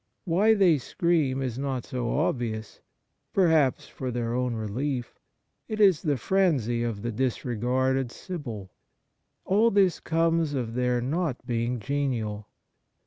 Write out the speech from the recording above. Why they scream is not so obvious. Perhaps for their 6—2 84 Kindness own relief. It is the frenzy of the disregarded Sibyl. x\ll this comes of their not being genial.